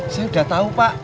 saya udah tau pak